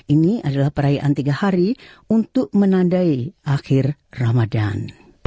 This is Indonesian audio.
ini adalah perayaan tiga hari untuk menandai akhir ramadan